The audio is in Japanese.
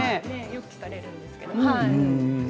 よく聞かれるんですけど。